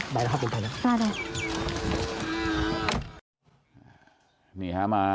ได้แล้วครับคุณท่าน